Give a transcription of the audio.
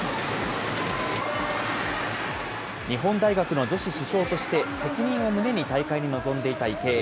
日本大学の女子主将として、責任を胸に大会に臨んでいた池江。